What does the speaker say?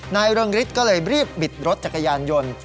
เริงฤทธิ์ก็เลยรีบบิดรถจักรยานยนต์